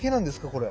これ。